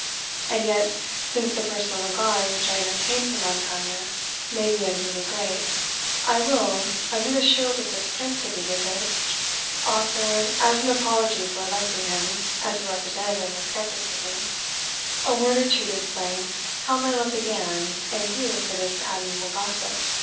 And yet, since the personal regard which I entertain for Montaigne may be unduly great, I will, under the shield of this prince of egotists, offer, as an apology for electing him as the representative of skepticism, a word or two to explain how my love began and grew for this admirable gossip.